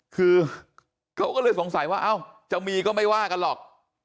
คือเขาก็เลยสงสัยว่าเอ้าจะมีก็ไม่ว่ากันหรอก